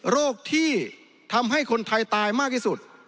โรคที่ทำให้คนไทยตายมากที่สุด